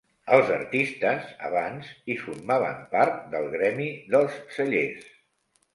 Els artistes abans hi formaven part del gremi dels sellers.